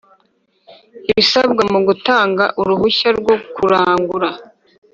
Ibisabwa mu gutanga uruhushya rwo kurangura